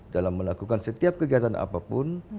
dalam melakukan setiap kegiatan apapun